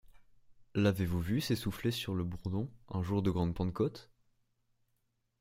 L’avez-vous vu s’essouffler sur le bourdon un jour de grande Pentecôte?